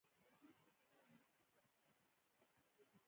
زه خیاطۍ ته ځم تر څو کالي راته جوړ کړي